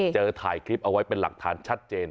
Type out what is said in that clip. ถ่ายคลิปเอาไว้เป็นหลักฐานชัดเจน